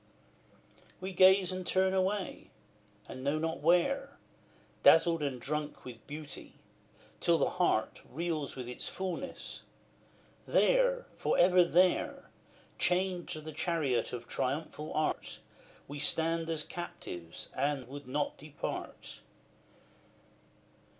We gaze and turn away, and know not where, Dazzled and drunk with beauty, till the heart Reels with its fulness; there for ever there Chained to the chariot of triumphal Art, We stand as captives, and would not depart.